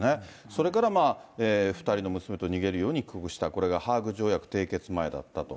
それから２人の娘と逃げるように帰国した、これがハーグ条約締結前だったと。